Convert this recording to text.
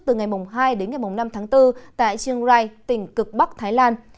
từ ngày hai đến ngày năm tháng bốn tại chiêng rai tỉnh cực bắc thái lan